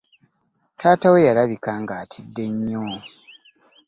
Taata we yalabika nga atidde nnyo.